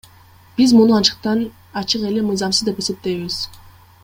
Биз муну ачыктан ачык эле мыйзамсыз деп эсептейбиз.